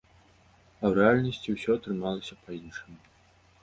А ў рэальнасці ўсё атрымалася па-іншаму.